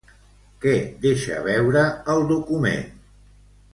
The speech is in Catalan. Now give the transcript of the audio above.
Què deixa veure el document?